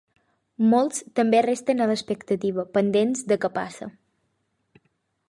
Molts també resten a l’expectativa, pendents de què passa.